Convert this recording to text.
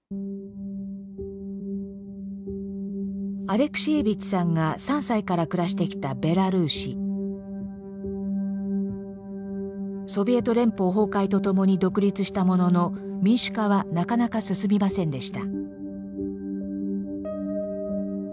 アレクシエービッチさんが３歳から暮らしてきたソビエト連邦崩壊とともに独立したものの民主化はなかなか進みませんでした。